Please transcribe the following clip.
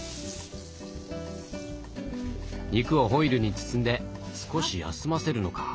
肉をホイルに包んで少し休ませるのか。